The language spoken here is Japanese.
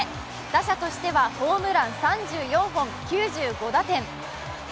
打者としてはホームラン３４本、９５打点。